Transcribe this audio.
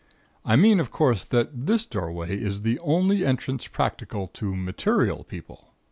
I mean, of course, that this doorway is the only entrance practicable to material people.